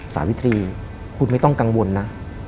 สาวิตรีคุณไม่ต้องกังวลนะ